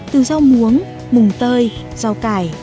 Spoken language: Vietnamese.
từ rau muống mùng tơi rau cải